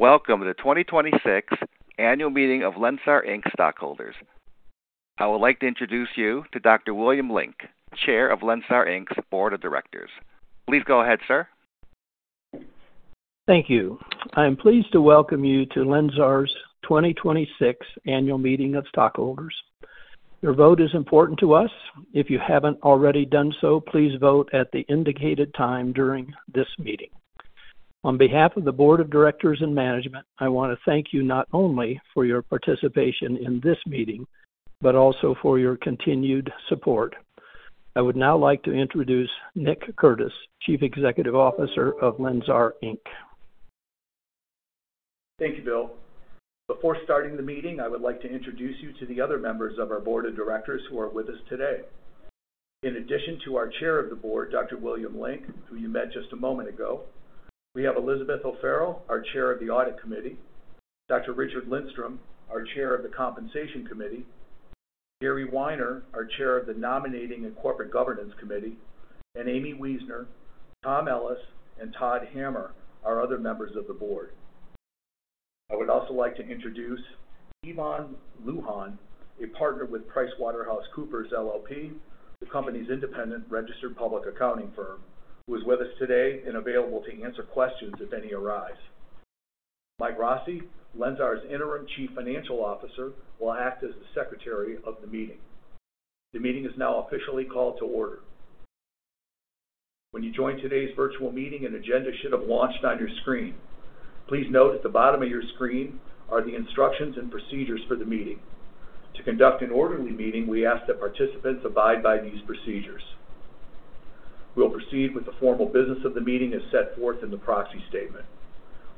Welcome to the 2026 annual meeting of LENSAR Inc. stockholders. I would like to introduce you to Dr. William Link, Chair of LENSAR Inc.'s Board of Directors. Please go ahead, sir. Thank you. I am pleased to welcome you to LENSAR's 2026 annual meeting of stockholders. Your vote is important to us. If you haven't already done so, please vote at the indicated time during this meeting. On behalf of the Board of Directors and management, I want to thank you not only for your participation in this meeting, but also for your continued support. I would now like to introduce Nick Curtis, Chief Executive Officer of LENSAR Inc. Thank you, Bill. Before starting the meeting, I would like to introduce you to the other members of our Board of Directors who are with us today. In addition to our Chair of the Board, Dr. William Link, who you met just a moment ago, we have Elizabeth O'Farrell, our Chair of the Audit Committee, Dr. Richard Lindstrom, our Chair of the Compensation Committee, Gary Winer, our Chair of the Nominating and Corporate Governance Committee, and Aimee Weisner, Tom Ellis, and Todd Hammer, our other members of the board. I would also like to introduce Yvonne Lujan, a partner with PricewaterhouseCoopers LLP, the company's independent registered public accounting firm, who is with us today and available to answer questions if any arise. Mike Rossi, LENSAR's Interim Chief Financial Officer, will act as the secretary of the meeting. The meeting is now officially called to order. When you joined today's virtual meeting, an agenda should have launched on your screen. Please note at the bottom of your screen are the instructions and procedures for the meeting. To conduct an orderly meeting, we ask that participants abide by these procedures. We will proceed with the formal business of the meeting as set forth in the proxy statement.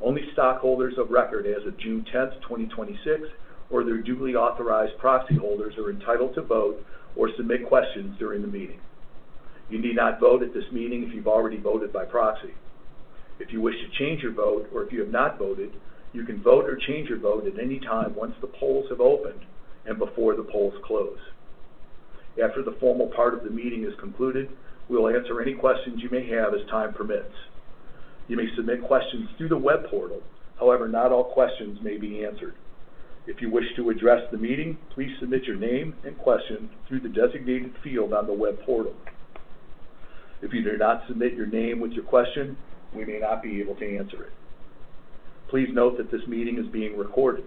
Only stockholders of record as of June 10th, 2026, or their duly authorized proxy holders are entitled to vote or submit questions during the meeting. You need not vote at this meeting if you've already voted by proxy. If you wish to change your vote or if you have not voted, you can vote or change your vote at any time once the polls have opened and before the polls close. After the formal part of the meeting is concluded, we will answer any questions you may have as time permits. You may submit questions through the web portal. Not all questions may be answered. If you wish to address the meeting, please submit your name and question through the designated field on the web portal. If you do not submit your name with your question, we may not be able to answer it. Please note that this meeting is being recorded.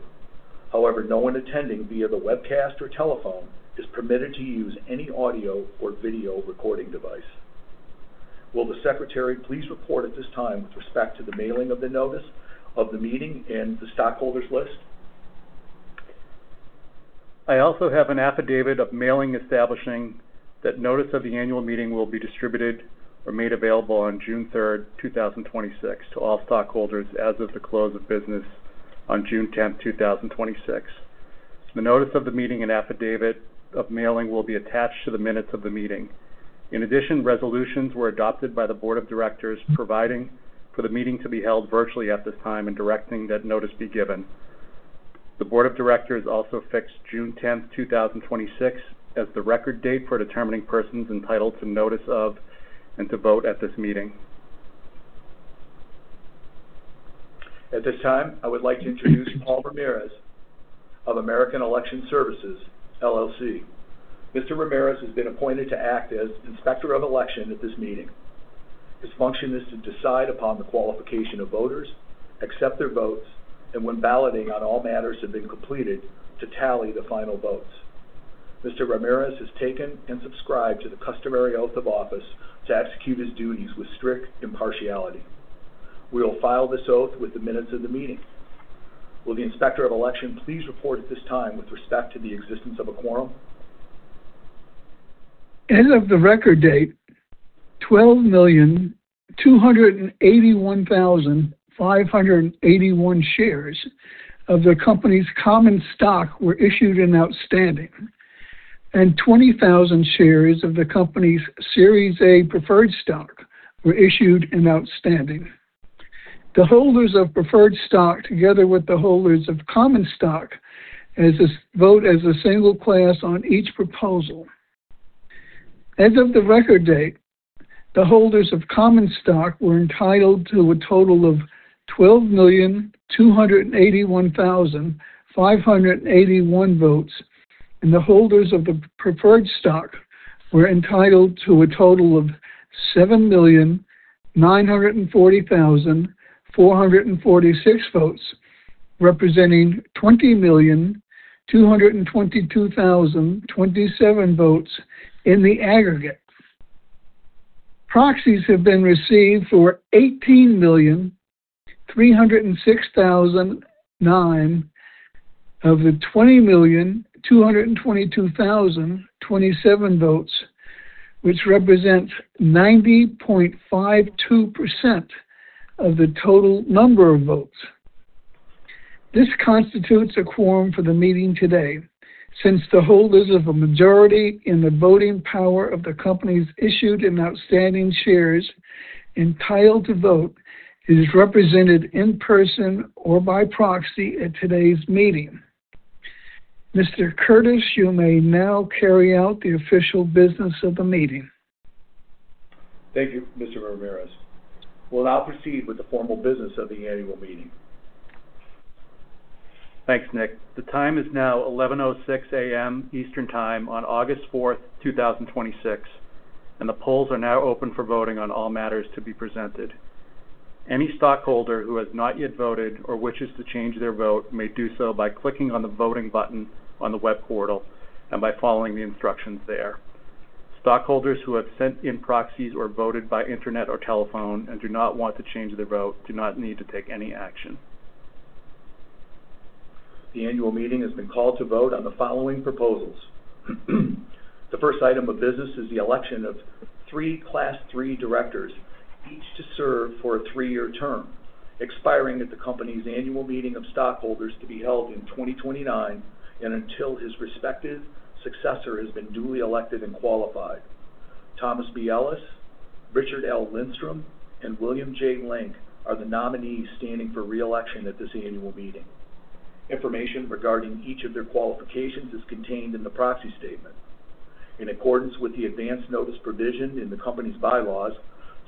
No one attending via the webcast or telephone is permitted to use any audio or video recording device. Will the secretary please report at this time with respect to the mailing of the notice of the meeting and the stockholders list? I also have an affidavit of mailing establishing that notice of the annual meeting will be distributed or made available on June 3rd, 2026, to all stockholders as of the close of business on June 10th, 2026. The notice of the meeting and affidavit of mailing will be attached to the minutes of the meeting. Resolutions were adopted by the Board of Directors providing for the meeting to be held virtually at this time and directing that notice be given. The Board of Directors also fixed June 10th, 2026, as the record date for determining persons entitled to notice of and to vote at this meeting. At this time, I would like to introduce Paul Ramirez of American Election Services, LLC. Mr. Ramirez has been appointed to act as Inspector of Election at this meeting. His function is to decide upon the qualification of voters, accept their votes, and when balloting on all matters have been completed, to tally the final votes. Mr. Ramirez has taken and subscribed to the customary oath of office to execute his duties with strict impartiality. We will file this oath with the minutes of the meeting. Will the Inspector of Election please report at this time with respect to the existence of a quorum? As of the record date, 12,281,581 shares of the company's common stock were issued and outstanding, and 20,000 shares of the company's Series A preferred stock were issued and outstanding. The holders of preferred stock, together with the holders of common stock, vote as a single class on each proposal. As of the record date, the holders of common stock were entitled to a total of 12,281,581 votes, and the holders of the Series A preferred stock were entitled to a total of 7,940,446 votes, representing 20,222,027 votes in the aggregate. Proxies have been received for 18,306,009 of the 20,222,027 votes, which represents 90.52% of the total number of votes. This constitutes a quorum for the meeting today, since the holders of a majority in the voting power of the company's issued and outstanding shares entitled to vote is represented in person or by proxy at today's meeting. Mr. Curtis, you may now carry out the official business of the meeting. Thank you, Mr. Ramirez. We'll now proceed with the formal business of the annual meeting. Thanks, Nick. The time is now 11:06 A.M. Eastern Time on August fourth, 2026, and the polls are now open for voting on all matters to be presented. Any stockholder who has not yet voted or wishes to change their vote may do so by clicking on the voting button on the web portal and by following the instructions there. Stockholders who have sent in proxies or voted by internet or telephone and do not want to change their vote do not need to take any action. The annual meeting has been called to vote on the following proposals. The first item of business is the election of three Class III directors, each to serve for a three-year term, expiring at the company's annual meeting of stockholders to be held in 2029 and until his respective successor has been duly elected and qualified. Thomas B. Ellis, Richard L. Lindstrom, and William J. Link are the nominees standing for re-election at this annual meeting. Information regarding each of their qualifications is contained in the proxy statement. In accordance with the advance notice provision in the company's bylaws,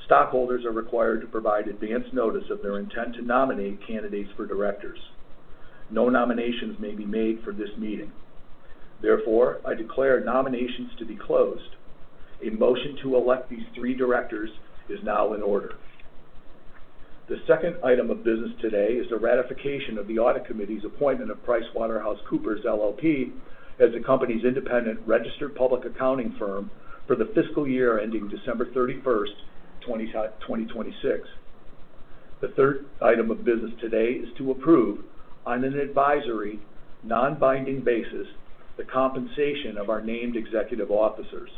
stockholders are required to provide advance notice of their intent to nominate candidates for directors. No nominations may be made for this meeting. Therefore, I declare nominations to be closed. A motion to elect these three directors is now in order. The second item of business today is the ratification of the Audit Committee's appointment of PricewaterhouseCoopers LLP as the company's independent registered public accounting firm for the fiscal year ending December 31st, 2026. The third item of business today is to approve, on an advisory non-binding basis, the compensation of our named executive officers.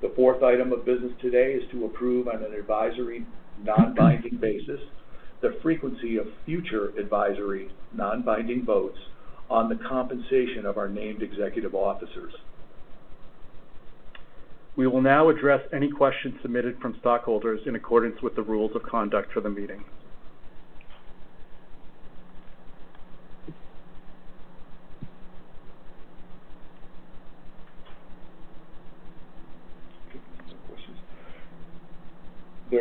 The fourth item of business today is to approve, on an advisory non-binding basis, the frequency of future advisory non-binding votes on the compensation of our named executive officers. We will now address any questions submitted from stockholders in accordance with the rules of conduct for the meeting.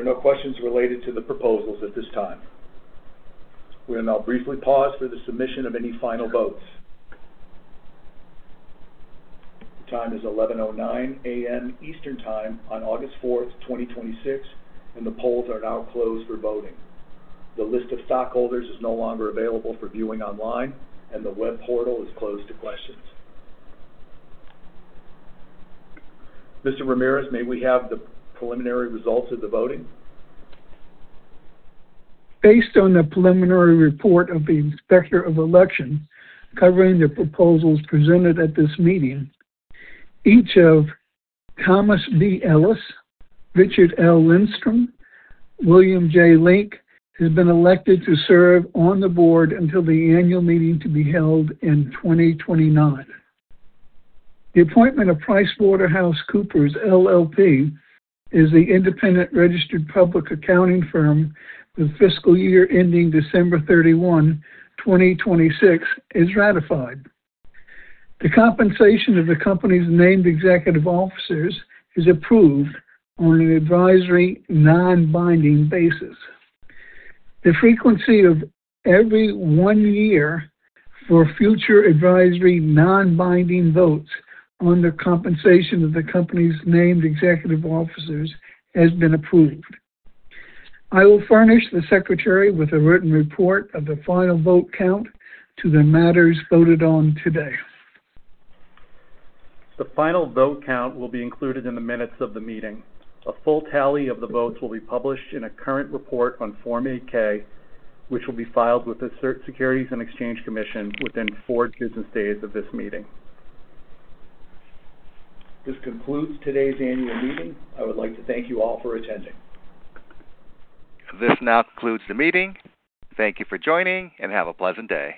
There are no questions related to the proposals at this time. We'll now briefly pause for the submission of any final votes. The time is 11:09 A.M. Eastern Time on August fourth, 2026. The polls are now closed for voting. The list of stockholders is no longer available for viewing online, and the web portal is closed to questions. Mr. Ramirez, may we have the preliminary results of the voting? Based on the preliminary report of the Inspector of Election covering the proposals presented at this meeting, each of Thomas B. Ellis, Richard L. Lindstrom, William J. Link has been elected to serve on the Board until the annual meeting to be held in 2029. The appointment of PricewaterhouseCoopers LLP as the independent registered public accounting firm for the fiscal year ending December 31, 2026, is ratified. The compensation of the company's named executive officers is approved on an advisory non-binding basis. The frequency of every one year for future advisory non-binding votes on the compensation of the company's named executive officers has been approved. I will furnish the secretary with a written report of the final vote count to the matters voted on today. The final vote count will be included in the minutes of the meeting. A full tally of the votes will be published in a current report on Form 8-K, which will be filed with the Securities and Exchange Commission within four business days of this meeting. This concludes today's annual meeting. I would like to thank you all for attending. This now concludes the meeting. Thank you for joining, and have a pleasant day.